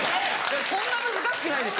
そんな難しくないでしょ？